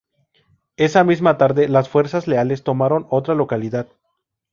Esa misma tarde, las fuerzas leales tomaron otra localidad.